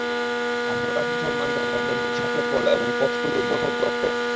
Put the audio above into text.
আর হঠাৎ মুসলমানরা তাদের উপর ঝাঁপিয়ে পড়ল এবং পথগুলো দখল করে নিল।